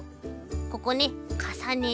ここねかさねて。